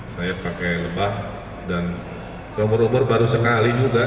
saya pakai lebah dan seumur umur baru sekali juga